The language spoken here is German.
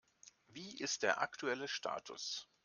Wie ist der aktuelle Status?